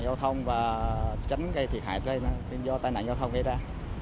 giao thông và tránh gây thiệt hại do tai nạn giao thông gây ra